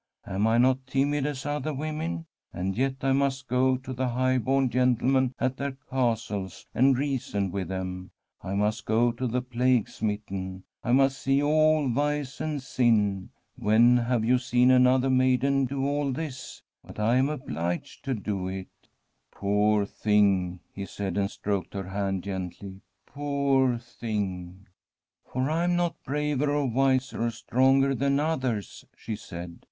Am I not timid as other women? And yet I must go to the high born Santa CATERINA of SIENA fentlemen at their castles and reason with them, must go to the plague smitten, I must see all vice and sin. When have you seen another maiden do all this ? But I am obliged to do it.' ' Poor thing I ' he said, and stroked her hand gently —' poor thing !'' For I am not braver, or wiser, or stronger than others,' she said.